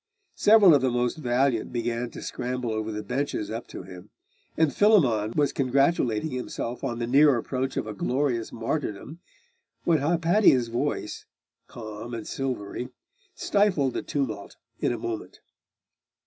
Several of the most valiant began to scramble over the benches up to him; and Philammon was congratulating himself on the near approach of a glorious martyrdom, when Hypatia's voice, calm and silvery, stifled the tumult in a moment.